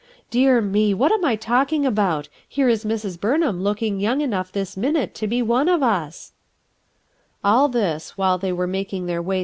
Dear me! What am I talking about ? Here is Mrs. Burnham looking young enough this minute to be one of Us," All this, while they were making their way THE OLD CAT!